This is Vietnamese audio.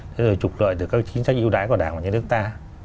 thế rồi trục lợi từ các chính sách ưu đãi của đảng và nhà nước ta